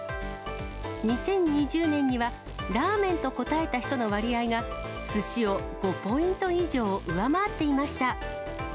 ２０２０年にはラーメンと答えた人の割合が、すしを５ポイント以上上回っていました。